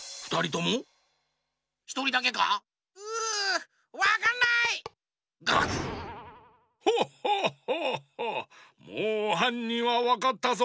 もうはんにんはわかったぞ。